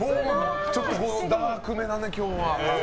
ちょっとダークめなね、今日は。